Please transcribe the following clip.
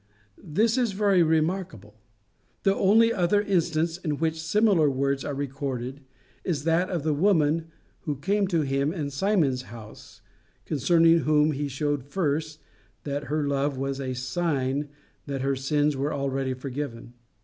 This is very remarkable. The only other instance in which similar words are recorded, is that of the woman who came to him in Simon's house, concerning whom he showed first, that her love was a sign that her sins were already forgiven.